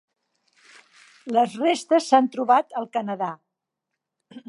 Les restes s'han trobat al Canadà.